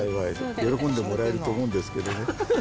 喜んでもらえると思うんですけど。